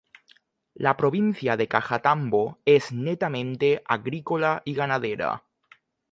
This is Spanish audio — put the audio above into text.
La provincia de Cajatambo es netamente agrícola y ganadera.